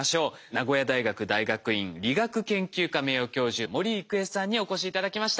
名古屋大学大学院理学研究科名誉教授森郁恵さんにお越し頂きました。